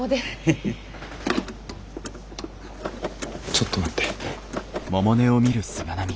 ちょっと待って。